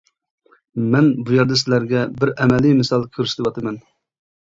مەن بۇ يەردە سىلەرگە بىر ئەمەلىي مىسال كۆرسىتىۋاتىمەن.